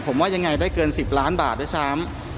ผมว่ายังไงได้เกิน๑๐ล้านบาทด้วยซ้ำ